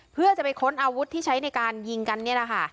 เพื่อจะไปค้นอาวุธที่ใช้ในการยิงกันนี่แหละค่ะ